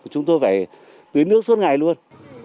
chúng tôi phải tưới nước suốt ngày luôn